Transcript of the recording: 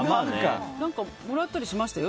もらったりしましたよ。